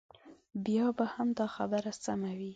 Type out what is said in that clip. بیا به هم دا خبره سمه وي.